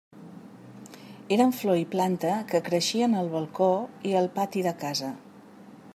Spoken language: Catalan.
Eren flor i planta que creixien al balcó i al pati de casa.